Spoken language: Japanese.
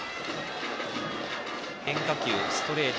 変化球、ストレート